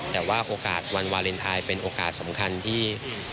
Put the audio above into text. แต่ว่าโอกาสวันวาเลนไทยเป็นโอกาสสำคัญที่